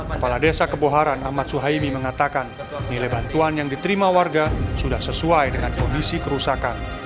kepala desa keboharan ahmad suhaimi mengatakan nilai bantuan yang diterima warga sudah sesuai dengan kondisi kerusakan